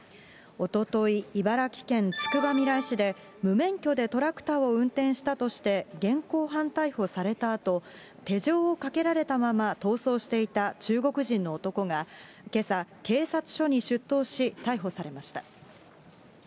おととい、茨城県つくばみらい市で無免許でトラクターを運転したとして、現行犯逮捕されたあと、手錠をかけられたまま逃走していた中国人の男が、けさ、警察署に出頭し、逮捕されました。